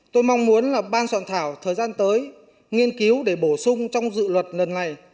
tôi mong muốn là ban soạn thảo thời gian tới nghiên cứu để bổ sung trong dự luật lần này